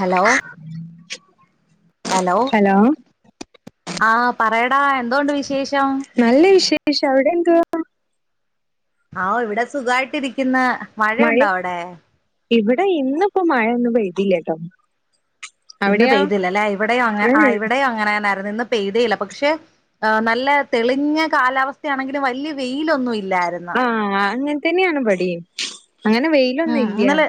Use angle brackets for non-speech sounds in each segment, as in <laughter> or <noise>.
Hello hello ആ. പറയടാ എന് നല്ല വിശേഷം. അവിടെ എന്തുവാ? ആ ഇവിടെ സുഖായിട്ടിരിക്കുന്ന്. മഴ മഴയുണ്ടോ അവിടെ? ഇവിടെ ഇന്നിപ്പോ മഴയൊന്നും പെയ്തില്ലട്ടോ. ഇന്ന് അവിടെയോ പെയ്തില്ലല്ലെ ഇവിടെയും അ ഇവിടെയും അങ്ങനെന്നെ. ഇന്ന് പെയ്തേയില്ല. പക്ഷെ നല്ല തെളിഞ്ഞ കാലാവസ്ഥ ആണെങ്കിലും വലിയ വെയിലൊന്നും ഇ ആ ആ അങ്‌ തന്നെയാണ് ഇബടിം. അങ്ങനെ വെയിലൊന്നും ഉം ഇല്ല. ഇന്നലെ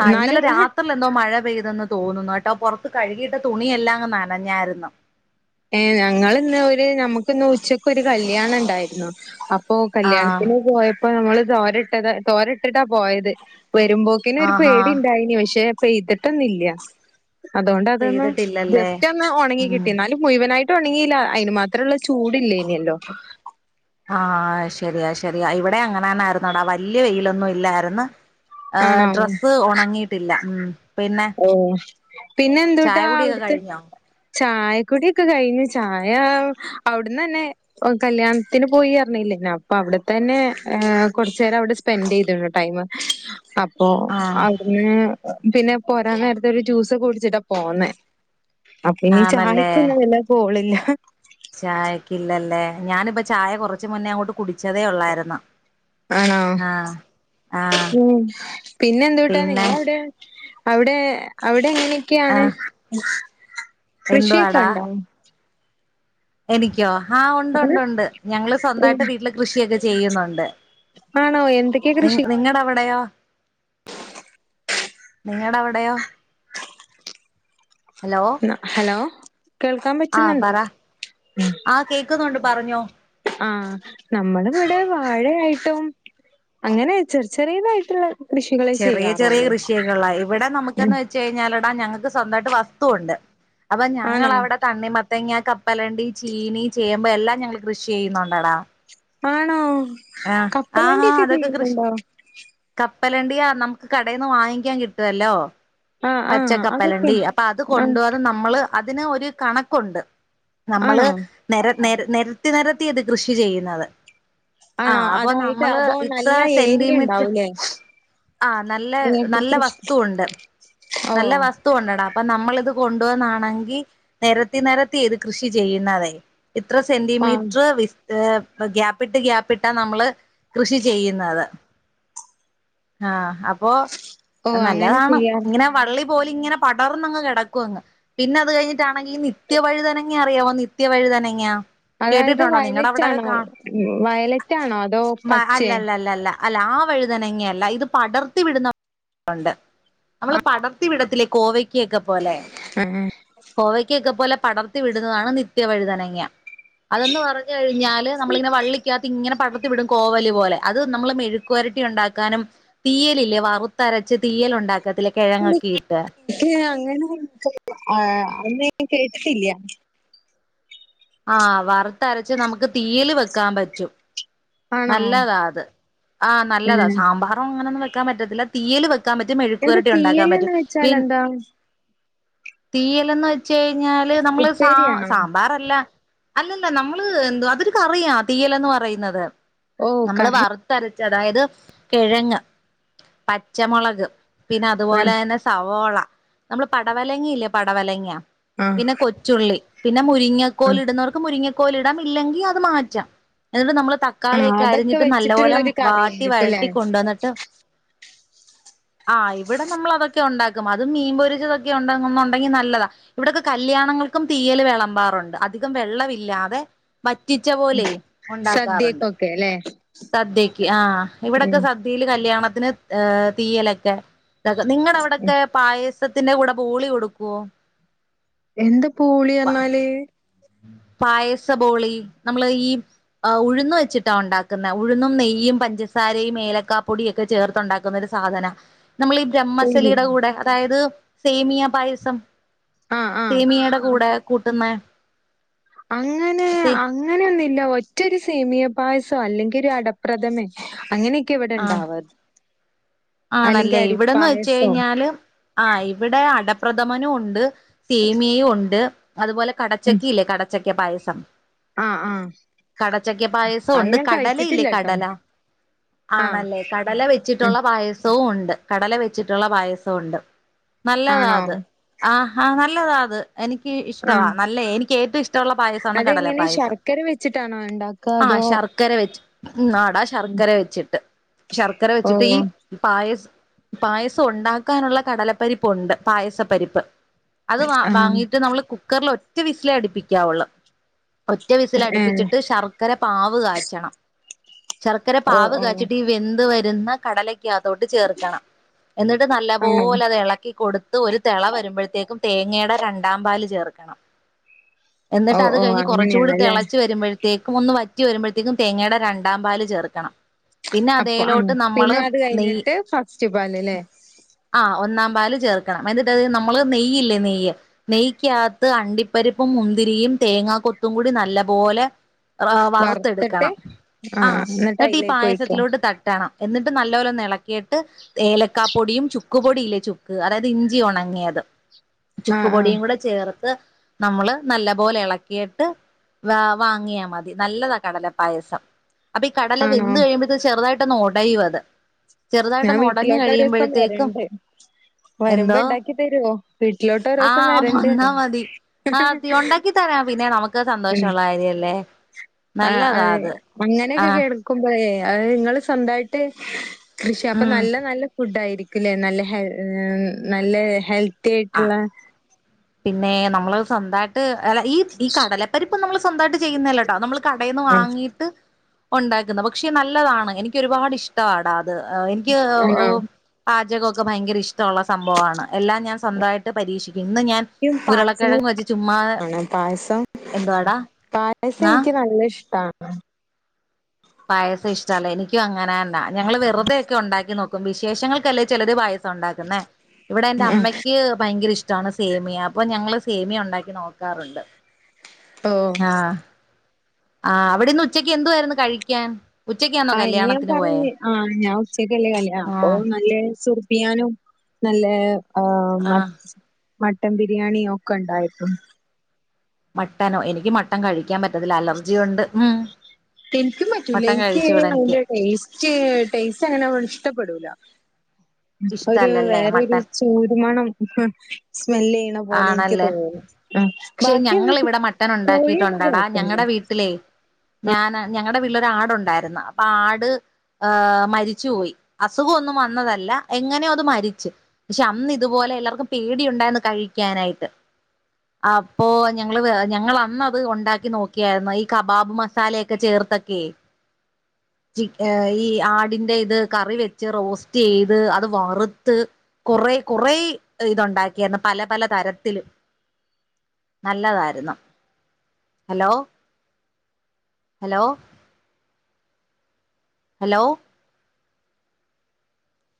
ആഹ് ഇന്നലെ എന്നാലും രാത്രിയിൽ എന്തോ മഴ പെയ്തെന്ന് തോന്നുന്നു കേട്ടോ. പുറത്ത് കഴുകിയിട്ട തുണിയെല്ലാം ങ്ങ് നനഞ്ഞായിരുന്നു. ഏ ഞങ്ങള് ഇന്ന് ഒരു നമ്മുക്ക് ഇന്ന് ഉച്ചക്ക് ഒരു കല്യാണം ഉണ്ടായിരുന്നു അ ഇപ്പോ ആഹ് കല്യാണത്തിന് പോയ ഇപ്പൊ നമ്മള് തോരട്ടത് തോരട്ടിട്ടാ പോയത് വരുമ്പോക്കിന് ഒരു ആഹാ പേടി ഉണ്ടായിന് പക്ഷെ പെയ്തിട്ടൊന്നില്ല അതുകൊണ്ട് അതൊന്ന് പെയ്തിട്ടില്ലല്ലേ ജസ്റ്റ് ഒന്ന് ഉണങ്ങി ഉം കിട്ടി എന്നാലും ഇവനായിട്ട് ഉണങ്ങിയില്ല അയിന് മാത്രള്ള ചൂടില്ലേനിയല്ലോ ആ ശരിയ ശരിയ ഇവടെ അങ്ങനെന്നായിരുന്നോടാ വല്യ വെയിലൊന്നും ഇല്ലായിരുന്നു ഹ ആണോ ഡ്രസ്സ് ഉണങ്ങിയിട്ടില്ല ഉം പിന്നെ ഓ <unintelligible> പിന്നെ ചായ എന്തൂട്ടാ കുടിയൊക്കെ അവിടുത്ത് കഴിഞ്ഞോ ചായക്കുടി ഒക്കെ കഴിഞ്ഞു ചായ അവിടന്നന്നേ കല്യാണത്തിന് പോയി അറിഞ്ഞില്ലേനോ അപ്പൊ അവിടെ തന്നെ കൊറചേരം അവിടെ സ്പെൻഡ് ചെയ്തീണ് ടൈമ് അപ്പൊ ആഹ് അവിട്ന്ന് പിന്നെ പോരാ നേരത്ത് ഒരു ജ്യൂസ് ഒക്കെ കുടിച്ചിട്ടാ പോന്നേ അപ്പ ഇനി ആന്നല്ലേ ചായക്കൊന്നും വല്ല പോളില്ല <unintelligible> ചായക്കില്ലല്ലേ ഞാനിപ്പ ചായ കുറച്ച മുന്നേ അങ്ങോട്ട് കുടിച്ചതേ ഒള്ളായിരുന്നു ആണോ ഉം പിന്നെ എന്ത്‌ വിട്ടാ പിന്നെ നിങ്ങളവിടെ അവിടെ അവിടെങ്ങനേ ഒക്കെയാണ് ആഹ് കൃഷിയൊക്ക എന്തുവാടാ ഉണ്ടോ എനിക്കോ ആ ഉണ്ട് ഉണ്ട് ഉണ്ട് ഞങ്ങള് സ്വന്തായിട്ട് വീട്ടില് കൃഷിയൊക്ക ചെയ്യുന്നുണ്ട് ആണോ എന്തൊക്കെയാ നി കൃഷി നിങ്ങടെ അവിടെയോ നിങ്ങടെ അവിടെയോ ഹലോ ഹലോ കേൾക്കാൻ ആഹ് പറ്റുന്നുണ്ടോ പറ ആഹ് കേക്കുന്നുണ്ട് പറഞ്ഞോ ആ നമ്മള് ഇവിടെ വാഴയായി ട്ടും അങ്ങനെ ചെറിയ ചെറിയതായിട്ടുള്ള കൃഷികളെ ചെറിയ ചെറിയ ചെയ്യാറുള്ളൂ കൃഷിയൊക്കെ ഉള്ളു ഇവിടെ ഉം നമുക്കന്ന് വെച്ച്കഴിഞ്ഞാലെടാ ഞങ്ങക്ക് സ്വന്തമായിട്ട് വസ്തുവുണ്ട് അപ്പൊ ആണോ ഞങ്ങൾഅവിടെ തണ്ണി തേങ്ങ കപ്പ കപ്പലണ്ടി ചീനി ചേമ്പ് ഇപ്പ എല്ലാം ഞങ്ങള് കൃഷി ചെയ്യുന്നുണ്ടടാ ആണോ ആ ആ ആ കപ്പലണ്ടിയൊക്കെ അതൊക്കെ കൃഷി ചെയ്യുന്നുണ്ടോ കപ കപ്പലണ്ടിയാ നമുക്ക് കടയിന്ന് വാങ്ങിക്കാൻ കിട്ടുവല്ലോ ആഹ് ആഹ് അതൊക്കെ പച്ചക്കപ്പലണ്ടി അപ്പൊ അത് കൊണ്ട് ആഹ് വന്ന് നമ്മള് അത് ഇതിന് ഒരു കണക്കുണ്ട് നമ്മള് ആണോ നെര നെരത്തി നെരത്തിയത് കൃഷി ചെയ്യുന്നത്. ആണോ ആഹ് അപ്പോ അതായത് നമ്മള് അപ്പൊ ഇത്ര നല്ല സെന്റി ഏരിയ മീറ്റർ ഉണ്ടാവൂലേ ആ നല്ല നിങ്ങൾക്ക് നല്ല കൃഷി വസ്തുവുണ്ട്. നല്ല ഓഹ് വസ്തു ഉണ്ടടാ അപ്പൊ നമ്മ നമ്മളിത് കൊണ്ടുവന്നാണെങ്കിൽ നെരത്തി നെരത്തി ഇത് കൃഷി ചെയ്യുന്നതെ ഇത്ര സെന്റി ആഹ് മീറ്റർ വിസ് ഇത് ഗ്യാപ്പിട്ട് ഗ്യയാപ്പിട്ടാ നമ്മള് കൃഷി ചെയ്യുന്നത് ആഹ്. അപ്പോ ഓഹ് അങ്ങനെ നല്ലതാണ്. ചെയ്യാ പിന്നെ വള്ളി പോലെ ഇങ്ങനെ പടർന്നങ്ങ് കിടക്കും അങ്ങ് പിന്നെ അത് കഴിഞ്ഞി ട്ടാണെങ്കിൽ നിത്യ വഴിതനങ്ങ അറിയാവോ? നിത്യ വഴിതനെങ്ങാ. അതായത് വയലറ്റാണോ വയലറ്റാണോ അതോ അല്ല പച്ചേ അല്ല അല്ല അല്ല അല്ല ആ വഴുതനങ്ങല്ല ഇത് പടർത്തി വിടുന്ന ഒണ്ട് കോവയ് ക്കക്കെ പോലെ ആഹ് കോവയ്ക്കക്കെ പോലെ പടർത്തി വിടുന്നതാണ് നിത്യ വഴതനങ്ങ. അതൊന്ന് പറഞ്ഞു കഴിഞ്ഞാല് നമ്മളിങ്ങനെ വള്ളിക്കാ ഇങ്ങനെ പടർത്തി വിടും കോവല് പോലെ അത് നമ്മള് മെഴുക്കുപരട്ടി ഉണ്ടാക്കാനും തീയലില്ലേ വറുത്തരച്ച് തീയൽ ഒണ്ടാക്കത്തില്ലേ? കെഴങ്ങക്കിയിട്ട് <unintelligible> ആന്ന് കേട്ടിട്ടില്ലാ ആ വറുത്തരച്ച് നമുക്ക് തീയില് വെക്കാൻ പറ്റും ആണോ നല്ലതാ അത് ആ നല്ലതാ ഉം സാമ്പാറും അങ്ങനൊന്നും വെ ക്കാൻ പറ്റത്തില്ല തീയല് വെയ് എന്ത തീയല്ന്ന് വെച്ചാലെ ന്താ തീയല്ന്ന് വെച് ഞ്ഞാല് നമ്മള് സാ ഉപ്പേരിയാണോ സാമ്പാറല്ല അല്ലല്ല നമ്മള് എന്ത അതൊ കറിയാ തീയലന്ന് പറയുന്നത് ഓ നമ്മള് കറി വറുത്തര അതായത് കിഴങ്ങ് പച്ചമുളക് പിന്നെ ആ അതുപോലെ തന്നെ സവോള നമ്മള് പടവലങ്ങിയില്ലേ പടവലങ്ങാ ആ പിന്നെ കൊച്ചുള്ളി പിന്നെ ആ മുരിങ്ങക്കോല ഇടുന്നവർക്ക് മുരിങ്ങ കൊലിടാം ഇല്ലെങ്കിൽ അത് മാറ്റാം എന്നിട്ട് നമ്മള് ആ തക്കാളിയൊക്കെ അതൊക്കെ അരിഞ്ഞിട്ട് നല്ല പോലെ വെച്ചിട്ടുള്ളൊരു വാട്ടി കറിയായിരിക്കുംല്ലേ വഴട്ടി കൊണ്ട വന്നിട്ട് ആ ഇവിടെ നമ്മൾ അതൊക്കെ ഉണ്ടാക്ക അത് മീൻപൊരിച്ചതൊക്കെ ഉണ്ടും ണ്ടെങ്കി നല്ലതാ ഇവിടെൊക്കെ കല്യാണങ്ങൾക്കും തീയൽ വിളമ്പാറുണ്ട് അധികം വെള്ളമില്ലാതെ വറ്റിച്ച പോലെയ ഉണ്ടാക്കാറുണ്ട് സദ്യക്കൊക്കെ ല്ലേ സദ്യക്ക് ആ് ഉം ഇവിടെൊക്കെ സദ്യയില് കല്യാണ തിന് തീയലൊക്കെ നിങ്ങള ഉം അവിടയൊക്കെ പായ ത്തിന്റെ കൂടെ ബോളി കൊടുക്കുവോ എന്താ പൂളി പറഞ്ഞാല് പായസപോളി നമ്മള് ഈ ഉഴന്ന് വെച്ചിട്ടാ ഉണ്ടാക്ക ഉഴന്നും നെയ്യും പഞ്ചസാരയും ഏലക്കാപ്പൊടിയ ഒക്കെ ചേർത്തുണ്ടാക്കുന്നൊ ഒരു സാധന നമ്മൾ ഈ ബ്രഹ്മസലിയുടെ കൂടെ അതായത് സേമിയാ പായസം ആ ആ സേമിയയുടെ കൂടെ കൂട്ടുന്ന അങ്ങനെ സേ അങ്ങനെയൊന്നുമില്ല ഒറ്റൊരു സേമിയെ പായസോ അല്ലെങ്കിൽ ഒരു അടപ്രദമൻ അങ്ങനെ ക്കൊ ആഹ് ഇവിടെണ്ടവ ആണല്ലേ ഇവിടെന്ന് വെച്ച കഴിഞ്ഞാല് ആ് ഇവിടെ അടപ്രഥമനും ഉണ്ട് സേമിയയും ഉണ്ട് അതുപോലെ കടച്ചക്ക ഇല്ലേ കടച്ചക്കി ക്ക പായസം ആ ആ കടച്ചക്ക പായസം അത് ഉണ്ട് ഞാൻ കടല ഇല്ലേ കഴിച്ചിട്ടില്ലട്ടോ കടല ആ ആണല്ലേ കടല വെച്ചിട്ടുള്ള പായസ സവും ഒണ്ട് കടല വെച്ചിട്ടുള്ള പായസവും ഒണ്ട് നല്ലതാ ആണോ അത് ആ ഹാ നൽ നല്ലതാ അത് എനിക്ക് ഇഷ്ടവാ ആഹ് നല്ല എനി ഏറ്റവും ഇഷ് ടള്ള പായസാണ് കടല അതെങ്ങനെ പായസം ശർക്കര വെച്ചിട്ടാണോ ഇണ്ടാക്കാ ആ അതോ ശർക്കര വെച് ആടാ ശർക്കര വെച്ചിട്ട് ശർക്കര വെച്ചിട്ട് ഈ ഓഹ് പായസ് പായസം ഉണ്ടാക്കാനുള്ള കടലപ്പരിപ്പുണ്ട് പായസ പരിപ്പ് അത് വ ആഹ് വാങ്ങിയിട്ട് നമ്മള് കുക്കർൽ ഒ ഒറ്റ വിസിലെ അടിപ്പിക്കാവുള്ളൂ ഒറ്റ വിസില് ഏഹ് അടുപ്പിച്ചിട്ട് ശർക്കര പാവ് കാച്ചണം ശർക്കര ഓഹ് പാവ് ഓഹ് കാച്ചിയിട്ട് ഈ വെന്ത് വ രുന്ന കടല ക്കകത്തോട്ട് ചേർക്കണം എന്നിട്ട് ആണോ നല്ലപോലെ അത് ഇളക്കി കൊടുത്ത് ഒരു തിള വരുമ്പോഴത്തേക്കും തേങ്ങയുടെ രണ്ടാം പാല് ചേർ ക്കണം എന്നിട്ട് ഓഹ് അത് ഓഹ് കഴിഞ്ഞ് കുറച്ചൂടി അങ്ങനെയാണല്ലേ തിളച്ച് വരുമ്പ ഴത്തേക്കും ഒന്ന് വറ്റി വരുമ്പോഴത്തേക്കും തേങ്ങയുടെ രണ്ടാം പാല് ചേർക്കണം പിന്നെ അപ്പൊ ആഹ് അതേലോട്ട് നമ്മള് പിന്നെ അത് നെയ്യ് കഴിഞ്ഞിട്ട് ഫസ്റ്റ് പാലല്ലേ ആ ഒന്നാം പാല് ചേർക്കണം എന്നിട്ടത് നമ്മള് നെയ്യില്ലേ നെയ്യ് നെയ്യിക്കകത്ത് അണ്ടിപ്പരിപ്പും മുന്തിരിയും തേങ്ങാ കൊത്തും കൂടി നല്ല പോലെ വറുത്തിട്ട് വറുത്തെടുക്കണം ആ ആഹ് എന്നിട്ട് ഈ അയിലേക്ക് ഒഴിക്കാ പായസത്തിലോട്ട് തട്ടണം എന്നിട്ട് ന ല്ല പോലൊന്ന് ഇളക്കിയിട്ട് ഏലക്കാ പൊടിയും ചുക്ക്പൊടി ഇല്ലേ ചുക്ക് അതായത് ഇഞ്ചി ഉണങ്ങിയത് ആഹ് ആഹ് ചുക്ക്പൊടിയും കൂടെ ചേർത്ത് നമ്മള് നല്ല പോലെ ഇളക്കിയിട്ട് വ വാങ്ങിയാൽ മതി നല്ലതാ കടലപ്പായസം അപ്പ ഈ കടല ആണോ വെന്ത് കഴിയുമ്പഴത് ചെറുതായിട്ട് ഒന്ന് ഒ ഒടയുവത് ചെറുതായിട്ട് ഞാൻ ഒന്നുടഞ്ഞു വീട്ടിലോട്ട് ഒരൂസം കഴിയുമ്പോഴത്തേക്കും വരണ്ട് വരുമ്പോ എന്തോ ഇണ്ടാക്കി തരുവോ വീട്ടിലോട്ട് ഒരൂസം ആഹ് വരണ്ട് വന്നാ മതി ആഹ് തീ ഉണ്ടാക്കി തരാം പിന്നെ നമുക്ക് ഉം സന്തോഷമുള്ള കാര്യല്ലേ ആഹ് നല്ലതാ അതെ അത് അങ്ങനെയൊക്കെ ആഹ് കേൾക്കുമ്പോഴെ നിങ്ങള് സ്വന്തമായിട്ട് കൃഷി അപ്പൊ ഉം നല്ല നല്ല ഫുഡ് ആയിരിക്കും പിന്നെ നല്ല ഹെൽ നല്ല ഹെൽത്ത് ഹെൽത്തിയായിട് ആഹ് ഉള്ള പിന്നെ നമ്മള് സ്വന്തായിട്ട് അല്ല ഈ ഈ കാടലപ്പരിപ്പ് പ്പ നമ്മള് സ്വന്തായിട്ട് ചെയ്യുന്നല്ലട്ടാ നമ്മൾ കടയീന്ന് ആഹ് വാങ്ങീട്ട് ഉണ്ടാക്കുന്ന പക്ഷേ നല്ലതാണ് എനിക്ക് ഒരുപാട് ഇഷ്ടാണ്ടാ എനിക്ക് ഒ ആണോ? പാചകൊക്കെ ഭയങ്കര ഇഷ് ത്തൊള്ള സംഭവാണ് എല്ലാ ഞാൻ സ്വന്തായിട്ട് പരീക്ഷി എനിക്കും പായസം ക ഇഷ്ടാണ് പായസം എന്തുവാടാ പായസം ആ എനിക്ക് നല്ല ഇഷ്ടാണ് പായസം ഇഷ്ടല്ല എനിക്കും അങ്ങനെന്നാ ഞങ്ങള് വെറുതേക്ക ഉണ്ടാക്കി നോ ക്കും വിശേഷങ്ങൾക്കല്ലേ ചിലര് വയ ഉണ്ടാക്കുന്ന ഇവിടെ എന്റെ ഉം അമ്മയ്ക്ക് ഭയങ്കര ഇഷ് ഇഷ്ടാണ് സേമിയ അപ്പൊ ഞങ്ങള് സേമിയ ഉണ്ടാക്കി നോക്കാറുണ്ട് തോ ആഹ് ആഹ് അവിടിന്ന് ഉച്ചക്ക് എന്തുവായിരുന്നു കഴിക്കാൻ ഉച്ചക്കാന്നോ ആഹ് ഇനി ഞാൻ കല്യാണത്തിന് പോയേ പറഞ്ഞു ആ ഞാൻ ഉച്ചക്കല്ലേ കല്ല അപ്പൊ ആഹ് നല്ല സുർ പിയാനോ നല്ലാ ആഹ് മറ്റ മട്ടൻ ബിരിയാണിയൊക്ക ഇണ്ടായിരുന്നു മട്ടനോ എനിക്ക് മട്ടൻ കഴി എനിക്കും പറ്റൂല മട്ടൻ എനിക്ക് കഴിച്ചൂടാ എനിക്ക് അതിന്റെ ടേസ്റ്റ് ടേസ്റ്റ് അങ്ങനെ ഇഷ്ടപ്പെടൂല ഒരു ഇഷ്ടല്ലല്ലേ വേറൊരു മട്ടൻ ചൂടുമണം ഉം സ്മെല്ലെയ്യണ പോലെ എനിക്ക് ആണല്ലേ തോന്നും പക്ഷെ ബാക്കിന്ന്ട്ട ഞങ്ങളിവിടെ മട്ടൻ കോഴിമ്മ കൊഴപ്പില്ല ഞാനാ ഞങ്ങടെ ഉള്ള ആടുണ്ടായിരുന്നു അപ്പൊ ആട് ആ മരിച്ചു പോയി അസുഖൊന്നും വന്നതല്ല എങ്ങനെയോ അത് മരിച്ച് പക്ഷെ അന്ന് ഇതുപോലെ എല്ലാർക്കും പേടിണ്ടായിര്ന്ന് കഴി ക്കാനായിട്ട് അപ്പോ ഞങ്ങൾ ഞങ്ങളന്നത് ഉണ്ടാക്കി നോക്കിയാരുന്നു ഈ കബാബ് മസാലയൊക്കെ ചേർത്തൊക്കെ ഈ ആടിന്റെ ഇത് കറി വെച്ച് റോസ്റ്റ് ചെയ്ത് അത് വറുത്ത് കൊറേ കൊറേ ഇത്ണ്ടാക്കിയാര്ന്നു പല പല തരത്തിലും നല്ലതായിരുന്നു ഹലോ ഹലോ ഹലോ